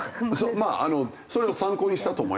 まあそれを参考にしたと思いますけど。